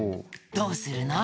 どうするの？